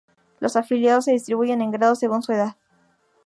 Los afiliados se distribuyen en grados según su edad.